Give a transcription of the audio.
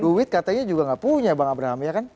duit katanya juga nggak punya bang abraham ya kan